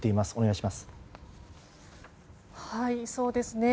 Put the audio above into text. お願いします。